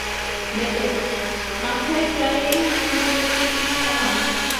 বেঁটে, মাথায় প্রায় কুমুদিনীর সমান।